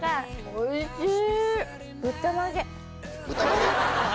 おいしい！